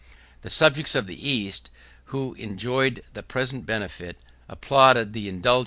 The subjects of the East, who enjoyed the present benefit, applauded the indulgence of their prince.